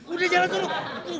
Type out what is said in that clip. udah jalan turun